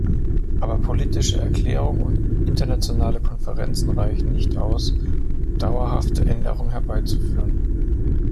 Aber politische Erklärungen und internationale Konferenzen reichen nicht aus, um dauerhafte Änderungen herbeizuführen.